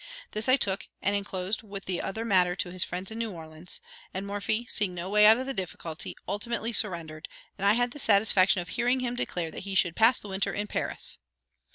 This I took, and inclosed with other matter to his friends in New Orleans, and Morphy seeing no way out of the difficulty, ultimately surrendered, and I had the satisfaction of hearing him declare that he should pass the winter in Paris.